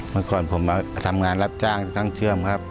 เมื่อก่อนผมมาทำงานรับจ้างช่างเชื่อมครับ